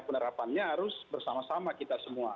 penerapannya harus bersama sama kita semua